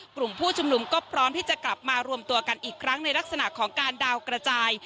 กลุ่มผู้ชุมนุมก็พร้อมที่จะกลับมารวมตัวกันอีกครั้งในลักษณะของการดาวกระจาย